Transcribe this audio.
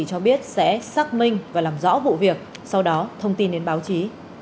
cho biết sẽ xác minh và làm rõ vụ việc sau đó thông tin đến báo chí